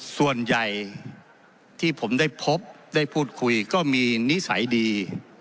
ส่วนใหญ่ที่ผมได้พบได้พูดคุยก็มีนิสัยดี